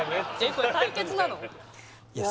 これ対決なの？